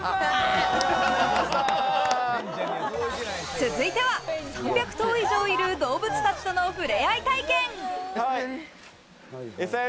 続いては３００頭以上いる動物たちとの触れ合い体験。